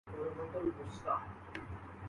رکھنے والے حلقے یہ تاثر پھیلا رہے ہیں کہ اعلی